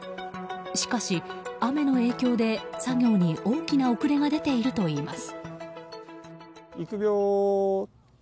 しかし、雨の影響で作業に大きな遅れが出ているといいます。